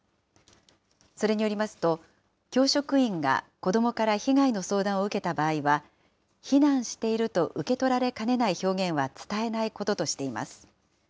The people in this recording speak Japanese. それによりますと、教職員が子どもから被害の相談を受けた場合は、非難していると受け取られかねない表現は伝えないこととしています。